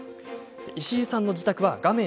石井さんの自宅は画面